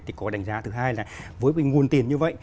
thì có đánh giá thứ hai là với cái nguồn tiền như vậy